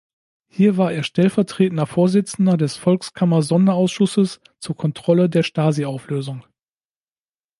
Hier war er stellvertretender Vorsitzender des Volkskammer-Sonderausschusses zur Kontrolle der Stasi-Auflösung.